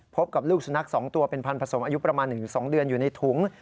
พบกับลูกสุนัข๒ตัวเป็นพันธสมอายุประมาณ๑๒เดือนอยู่ในถุง